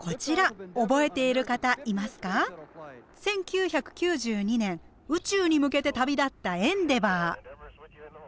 １９９２年宇宙に向けて旅立った「エンデバー」。